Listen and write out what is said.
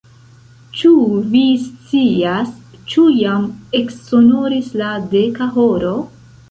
Ĉu vi scias, ĉu jam eksonoris la deka horo?